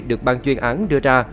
được ban chuyên án đưa ra